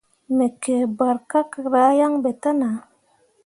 Me kǝǝ barkakkera yan ɓe te nah.